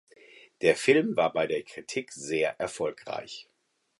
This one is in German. Der Film war bei der Kritik sehr erfolgreich.